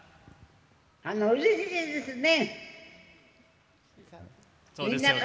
うれしいですね。